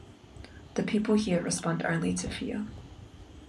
The people here respond only to fear.